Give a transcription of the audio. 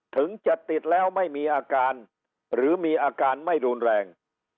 ถึงจะติดแล้วไม่มีอาการหรือมีอาการไม่รุนแรง